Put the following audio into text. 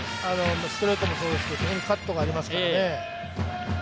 ストレートもそうですけど、そこにカットがありますからね。